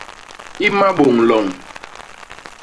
I Mabôñ-loñ.